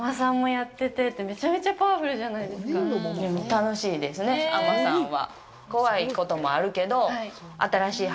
楽しいですね、海女さんは。